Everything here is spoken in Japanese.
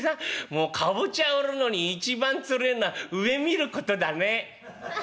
もうかぼちゃ売るのに一番つれえのは上見ることだね」。